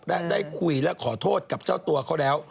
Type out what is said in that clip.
และได้คุยและขอโทษกับเจ้าตัวเขาแล้ว